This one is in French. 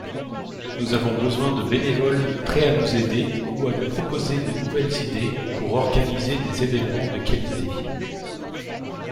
Nous avons besoin de bénévoles prêts à nous aider ou à nous proposer de nouvelles idées pour organiser des évènements de qualité.